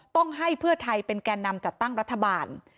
ต้องให้เพื่อไทยเป็นแก่นำจัดตั้งรัฐบาล